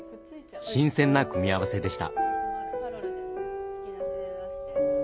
新鮮な組み合わせでした。